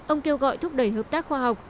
ông kêu gọi thúc đẩy hợp tác khoa học